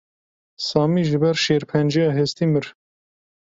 Samî ji ber şêrpenceya hestî mir.